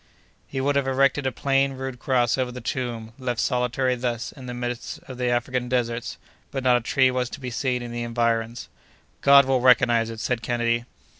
He would have erected a plain, rude cross over the tomb, left solitary thus in the midst of the African deserts, but not a tree was to be seen in the environs. "God will recognize it!" said Kennedy.